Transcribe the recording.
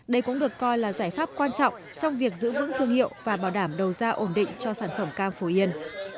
đây cũng được coi là giải pháp quan trọng trong việc giữ vững thương hiệu và bảo đảm đầu ra ổn định cho sản phẩm cam phổ yên